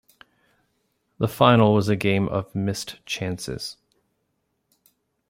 The final was a game of missed chances.